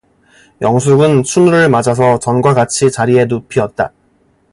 영숙은 춘우를 맞아서 전과 같이 자리에 눕히었다.